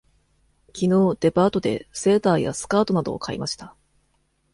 きのうデパートでセーターやスカートなどを買いました。